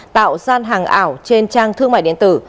tạo gian hàng ảo trên trang thương mại điện tử